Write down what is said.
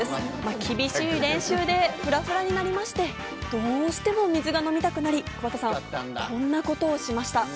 厳しい練習でふらふらになりまして、どうしても水が飲みたくなり、桑田さん、こんなことをしました。